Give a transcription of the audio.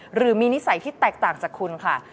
หรือมีนิสัยที่แตกต่างจากคุณค่ะ